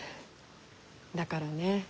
だからね